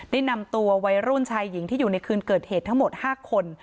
ได้นำตัววัยรุ่นชายหญิงที่อยู่ในคืนเกิดเหตุทั้งหมด๕คน